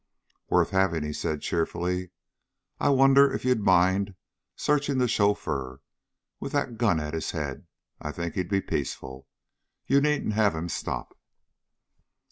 "Worth having," he said cheerfully. "I wonder if you'd mind searching the chauffeur: with that gun at his head I think he'd be peaceful. You needn't have him stop."